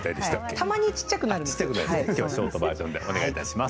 たまに小さくなります。